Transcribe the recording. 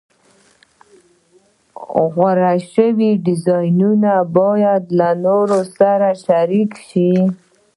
غوره شوی ډیزاین باید له نورو سره شریک شي.